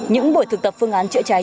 những buổi thực tập phương án chữa cháy